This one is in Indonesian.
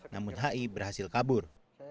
namun hi berhasil kabur